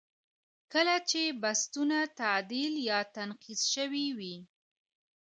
کله چې بستونه تعدیل یا تنقیض شوي وي.